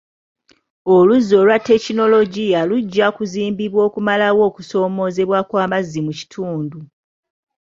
Oluzzi olwa tekinologiya lujja kuzimbibwa okumalawo okusoomoozebwa kw'amazzi mu kitundu.